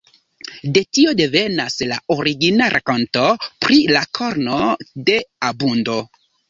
De tio devenas la origina rakonto pri la korno de abundo.